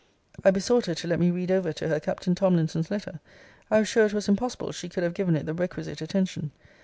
I besought her to let me read over to her Captain Tomlinson's letter. I was sure it was impossible she could have given it the requisite attention.